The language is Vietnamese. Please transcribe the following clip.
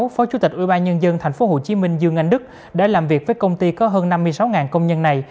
phó chủ tịch ủy ban nhân dân tp hcm dương anh đức đã làm việc với công ty có hơn năm mươi sáu công nhân này